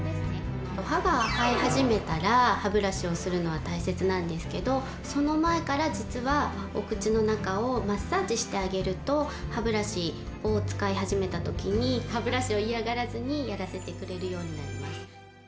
歯が生え始めたら歯ブラシをするのは大切なんですけどその前から実はお口の中をマッサージしてあげると歯ブラシを使い始めた時に歯ブラシを嫌がらずにやらせてくれるようになります。